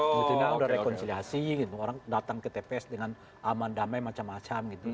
minggu tenang sudah rekonsiliasi orang datang ke tps dengan aman damai macam macam